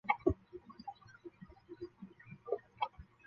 从哲学角度分析了书法创作的变易关系。